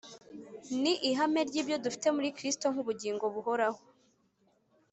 Ni ihame ry'ibyo dufite muri Kristo nk'ubugingo buhoraho,